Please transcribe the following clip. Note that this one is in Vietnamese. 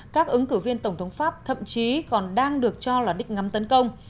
các ứng cử viên tổng thống pháp thậm chí còn đang được cho là đích ngắm tấn công